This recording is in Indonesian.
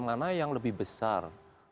mana yang lebih besar